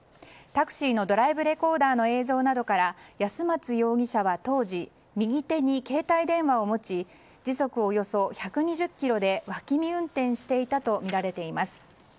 タクシーのドライブレコーダーの映像などから安松容疑者は当時右手に携帯電話を持ち時速およそ１２０キロで脇見運転をしていたとみられています。